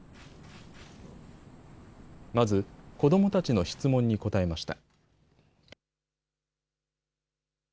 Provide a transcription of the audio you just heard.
まず、子どもたちの質問に答えました。